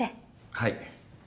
はい。